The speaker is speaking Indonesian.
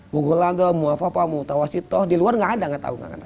di luar tidak ada tidak tahu tidak ada